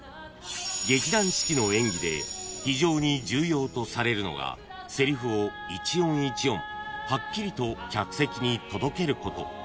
［劇団四季の演技で非常に重要とされるのがせりふを一音一音はっきりと客席に届けること］